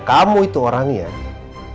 kamu itu orangnya